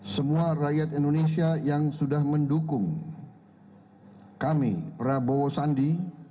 semua rakyat indonesia yang sudah mendukung kami prabowo sandi